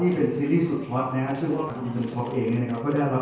ขออนุญาตติดให้ย้ำอีกรอบหนึ่งหนึ่งนะครับนะครับ